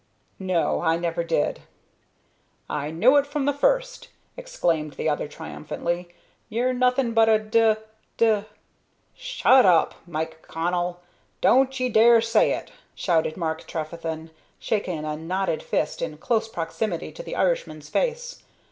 "No, I never did." "I knew it from the first," exclaimed the other, triumphantly, "you're nothing but a d d " "Shut up, Mike Connell! don't ye dare say it!" shouted Mark Trefethen, shaking a knotted fist in close proximity to the Irishman's face.